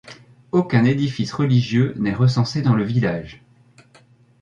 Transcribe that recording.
Aucun édifice religieux n'est recensé dans le village.